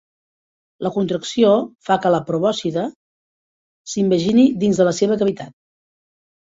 La contracció fa que la probòscide s'invagini dins de la seva cavitat.